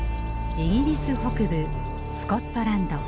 イギリス北部スコットランド。